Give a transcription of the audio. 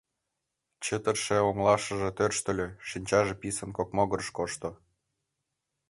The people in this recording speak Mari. Чытырыше оҥылашыже тӧрштыльӧ, шинчаже писын кок могырыш кошто.